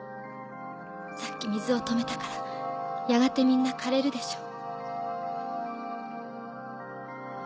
さっき水を止めたからやがてみんな枯れるでしょう。